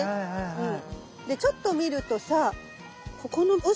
はい。